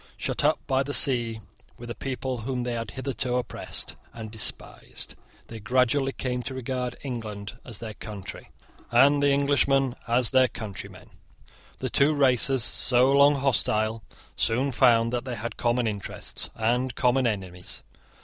Shut up by the sea with the people whom they had hitherto oppressed and despised, they gradually came to regard England as their country, and the English as their countrymen. The two races, so long hostile, soon found that they had common interests and common enemies.